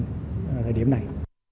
thời điểm này